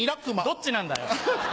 どっちなんだよ。